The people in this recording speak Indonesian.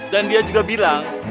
dan dia juga bilang